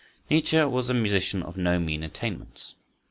Nietzsche was a musician of no mean attainments.